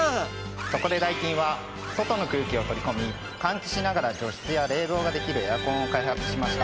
そこでダイキンは外の空気を取り込み換気しながら除湿や冷房ができるエアコンを開発しました。